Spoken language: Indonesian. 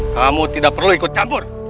kamu tidak perlu ikut campur